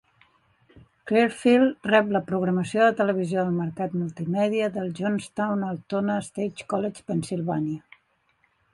Clearfield rep la programació de televisió del mercat multimèdia del Johnstown-Altoona-State College, Pennsilvània.